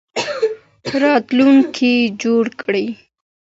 راتلونکی جوړ کړي